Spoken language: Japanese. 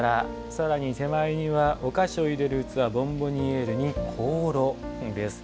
さらに手前にはお菓子を入れる器ボンボニエールに香炉です。